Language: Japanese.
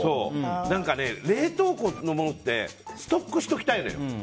冷凍庫のものってストックしておきたいのよ。